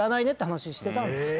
話してたんですよ。